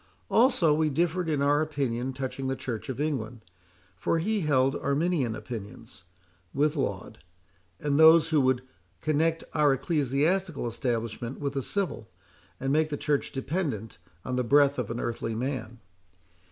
Also we differed in our opinions touching the Church of England, for he held Arminian opinions, with Laud, and those who would connect our ecclesiastical establishment with the civil, and make the Church dependent on the breath of an earthly man.